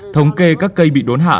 thống kê các cây bị đốn hạ